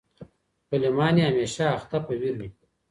غلیمان یې همېشمه اخته په ویر وي